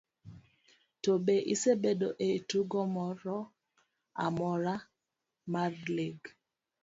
to be isebedo e tugo moro amora mar lig?